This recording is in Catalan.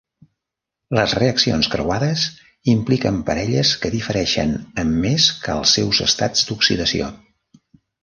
Les reaccions creuades impliquen parelles que difereixen en més que els seus estats d'oxidació.